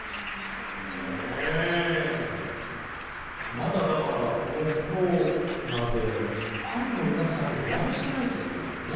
まだだからこのコロナでファンの皆さんにお会いしてないってことなのね。